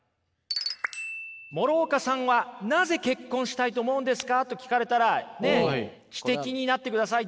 「諸岡さんはなぜ結婚したいと思うんですか？」と聞かれたらねっ詩的になってください。